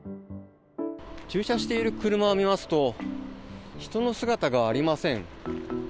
駐車している車を見ますと人の姿がありません。